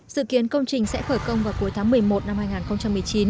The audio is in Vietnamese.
dự kiến công trình sẽ khởi công vào cuối tháng một mươi một năm hai nghìn một mươi chín